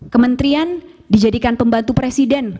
kementerian dijadikan pembantu presiden